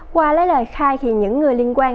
qua lấy lời khai khi những người liên quan